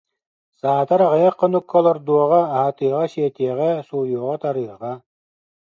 Саатар аҕыйах хонукка олордуоҕа, аһатыаҕа-сиэтиэҕэ, сууйуоҕа-тарыаҕа